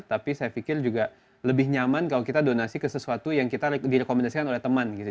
tapi saya pikir juga lebih nyaman kalau kita donasi ke sesuatu yang kita direkomendasikan oleh teman gitu